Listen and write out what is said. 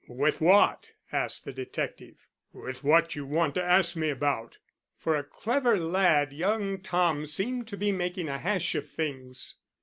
"With what?" asked the detective. "With what you want to ask me about." For a clever lad young Tom seemed to be making a hash of things.